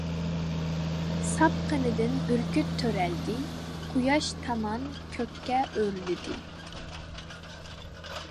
ساپ قېنىدىن بۈركۈت تۆرەلدى، قۇياش تامان كۆككە ئۆرلىدى.